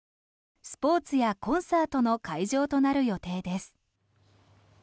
スポーツやコンサートの会場となる予定です。